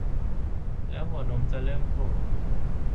และหัวนมจะเริ่มโผล่